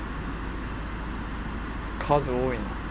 数多いな。